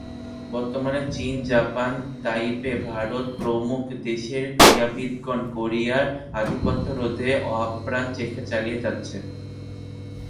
বর্তমানে চীন, Japan, Taipei, Bharat প্রমূখ দেশের ক্রীড়াবিদগণ কোরিয়ার আধিপত্য রোধে আপ্রাণ চেষ্টা চালিয়ে যাচ্ছে।